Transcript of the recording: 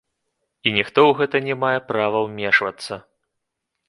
І ніхто ў гэта не мае права ўмешвацца.